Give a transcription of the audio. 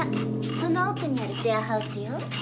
その奥にあるシェアハウスよ。